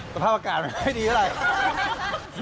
สภาพอากาศไม่ได้ดีเท่าไร